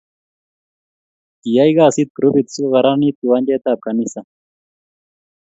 Kiyay kasit grupit sokokararanit kiwanjet ab kanisa